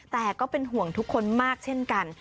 แต่ก็เป็นห่วงทุกคนมากเช่นกัน